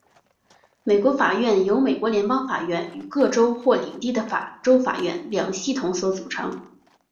美国法院由美国联邦法院与各州或领地的州法院两系统所组成。